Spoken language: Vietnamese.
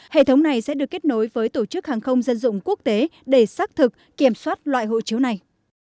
hệ thống này sẽ được kết nối với tổ chức hàng không dân dụng quốc tế để xác thực kiểm soát loại hộ chiếu này